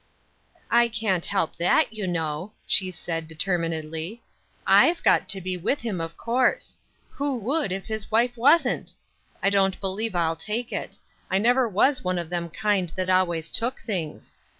" I can't help that, you know," she said, de terminedly ;" Tve got to be with him, of course. Who would, if his wife wasn't ? I don't believe I'll take it. I never was one of them kind that always took things.